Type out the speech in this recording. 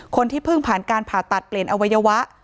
คนที่เพิ่งผ่านการผ่าตัดเปลี่ยนอวัยวะ